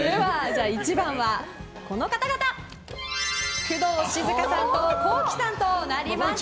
１番は、工藤静香さんとＫｏｋｉ，さんとなりました。